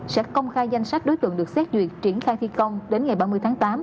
sẽ công khai danh sách đối tượng được xét duyệt triển khai thi công đến ngày ba mươi tháng tám